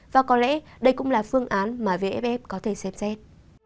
và có lẽ đây cũng là phương án mà vff có thể xem xét